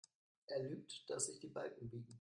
Er lügt, dass sich die Balken biegen.